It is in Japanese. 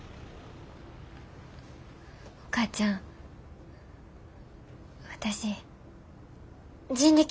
お母ちゃん私人力